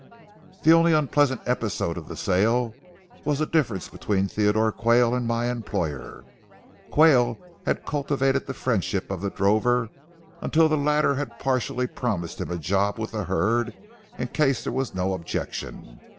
The only unpleasant episode of the sale was a difference between Theodore Quayle and my employer. Quayle had cultivated the friendship of the drover until the latter had partially promised him a job with the herd, in case there was no objection.